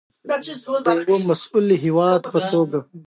د یو مسوول هیواد په توګه.